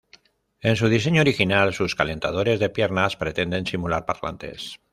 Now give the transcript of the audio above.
En su diseño original, sus "calentadores de piernas" pretenden simular parlantes.